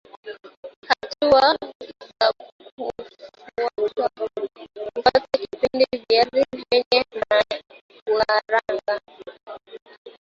Hatua za kufuata kupika viazi vyenye karanga